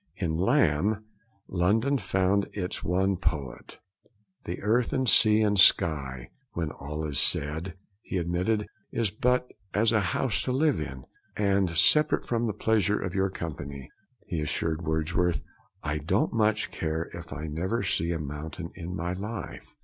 In Lamb London found its one poet. 'The earth, and sea, and sky (when all is said),' he admitted, 'is but as a house to live in'; and, 'separate from the pleasure of your company,' he assured Wordsworth, 'I don't much care if I never see a mountain in my life.